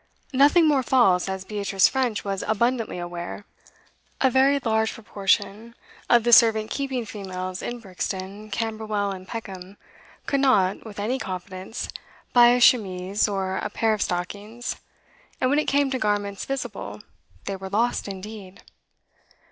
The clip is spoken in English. Nothing more false, as Beatrice French was abundantly aware. A very large proportion of the servant keeping females in Brixton, Camberwell, and Peckham could not, with any confidence, buy a chemise or a pair of stockings; and when it came to garments visible, they were lost indeed.